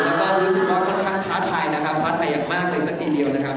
แล้วก็รู้สึกว่าคาไทยนะครับคาไทยอย่างมากเลยสักทีเดียวนะครับ